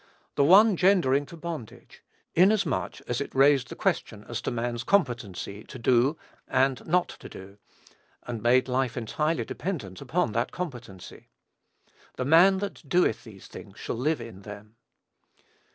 The one gendering to bondage, inasmuch as it raised the question as to man's competency "to do" and "not to do," and made life entirely dependent upon that competency. "The man that doeth these things shall live in them."